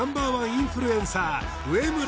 インフルエンサー植村